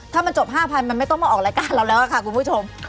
ถ้ามันจบ๕๐๐มันไม่ต้องมาออกรายการเราแล้วค่ะคุณผู้ชม